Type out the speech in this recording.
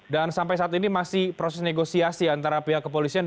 dan sampai saat ini masih proses negosiasi antara pihak kepolisian